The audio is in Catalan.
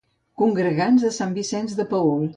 Congregants de sant Vicenç de Paül.